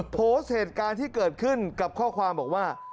โพสต์เหตุการณ์ที่เกิดขึ้นกับข้อความบอกว่า